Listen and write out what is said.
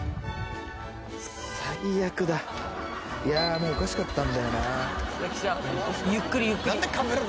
もうおかしかったんだよな。